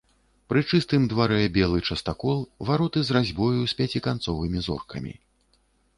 Пры чыстым дварэ белы частакол, вароты з разьбою, з пяцікантовымі зоркамі.